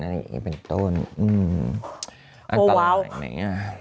อันต่อไหนเนี่ย